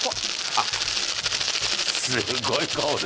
あっすごい顔で。